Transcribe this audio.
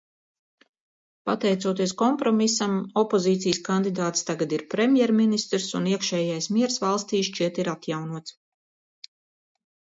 Pateicoties kompromisam, opozīcijas kandidāts tagad ir premjerministrs, un iekšējais miers valstī, šķiet, ir atjaunots.